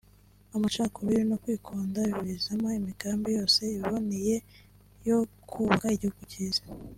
amacakubiri no kwikunda biburizamo imigambi yose iboneye yo kubaka igihugu cyiza